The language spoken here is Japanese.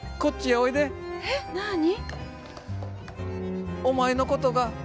えっなに？